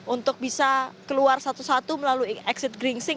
untuk bisa keluar satu satu melalui exit gringsing